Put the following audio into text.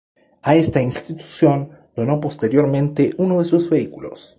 A esa institución donó posteriormente uno de sus vehículos.